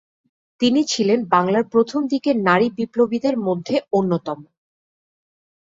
তিনি ছিলেন বাংলার প্রথম দিকের নারী বিপ্লবীদের মধ্যে অন্যতম।